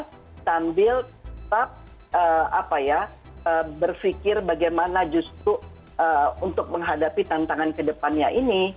dan tetap tampil tetap berpikir bagaimana justru untuk menghadapi tantangan kedepannya ini